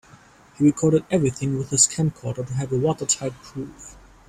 He recorded everything with his camcorder to have a watertight proof.